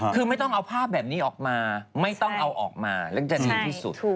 คือไม่ต้องเอาภาพแบบนี้ออกมาไม่ต้องเอาออกมาแล้วจะดีที่สุด